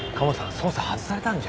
捜査外されたんじゃ。